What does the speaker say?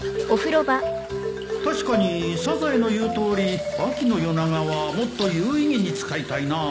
確かにサザエの言うとおり秋の夜長はもっと有意義に使いたいなあ。